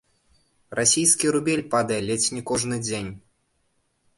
Расійскі рубель падае ледзь не кожны дзень.